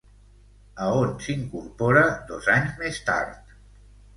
A on s'incorpora dos anys més tard?